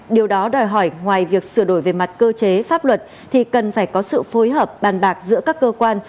điều đó đòi hỏi ngoài việc sửa đổi về mặt cơ chế pháp luật thì cần phải có sự phối hợp bàn bạc giữa các cơ quan